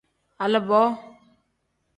Aliboo.